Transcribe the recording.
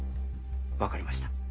分かりました。